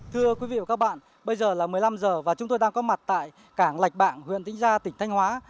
thưa quý vị và các bạn bây giờ là một mươi năm giờ và chúng tôi đang có mặt tại cảng lạch bạng huyện tĩnh gia tỉnh thanh hóa